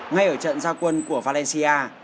ngay ở trận gia quân của valencia